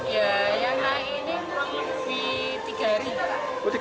ya yang naik ini berarti rp tiga